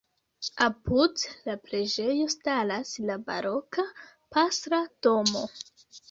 Apud la preĝejo staras la baroka pastra domo.